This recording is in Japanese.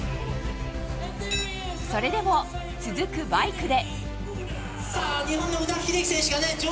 それでも続くバイクで。